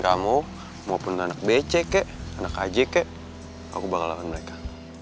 mau maupun anak bc kek anak aj kek aku bakal lawan mereka